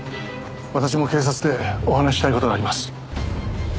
私も警察でお話ししたい事があります。